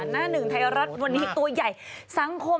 หน้าหนึ่งไทยรัฐวันนี้ตัวใหญ่สังคม